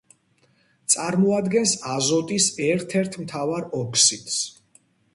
წარმოადგენს აზოტის ერთ-ერთ მთავარ ოქსიდს.